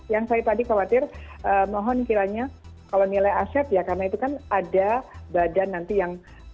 yang saya tadi khawatir mohon kiranya kalau nilai aset ya karena itu kan ada badan nanti yang